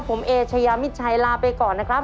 ผมเอเชยามิดชัยลาไปก่อนนะครับ